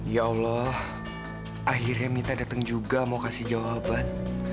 ya allah akhirnya minta datang juga mau kasih jawaban